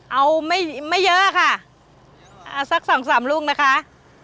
เอาไม่ไม่เยอะค่ะเอาสักสามรูปนะคะ